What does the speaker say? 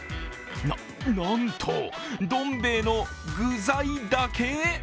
な、なんと、どん兵衛の具材だけ！？